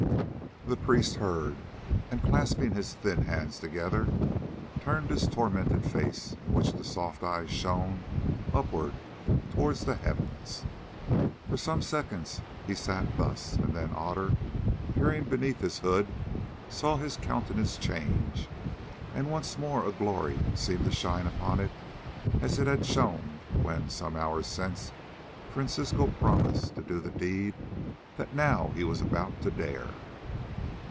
The priest heard and, clasping his thin hands together, turned his tormented face, in which the soft eyes shone, upwards towards the heavens. For some seconds he sat thus; then Otter, peering beneath his hood, saw his countenance change, and once more a glory seemed to shine upon it as it had shone when, some hours since, Francisco promised to do the deed that now he was about to dare.